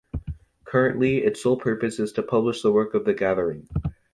Currently, its sole purpose is to publish work of The Gathering.